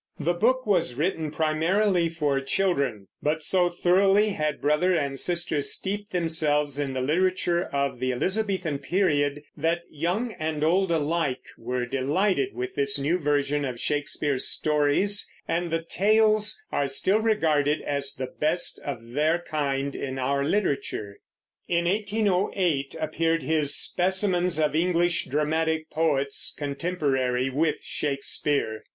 The book was written primarily for children; but so thoroughly had brother and sister steeped themselves in the literature of the Elizabethan period that young and old alike were delighted with this new version of Shakespeare's stories, and the Tales are still regarded as the best of their kind in our literature. In 1808 appeared his Specimens of English Dramatic Poets Contemporary with Shakespeare.